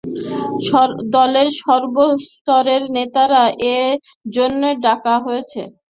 দলের সর্বস্তরের নেতাদের এ জন্যই ডাকা হয়েছে।